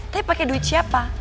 tapi pake duit siapa